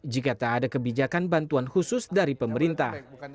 jika tak ada kebijakan bantuan khusus dari pemerintah